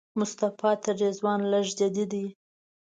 مصطفی تر رضوان لږ جدي دی.